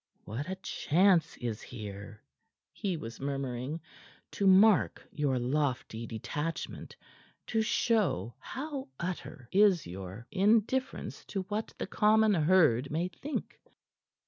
"What a chance is here," he was murmuring, "to mark your lofty detachment to show how utter is your indifference to what the common herd may think."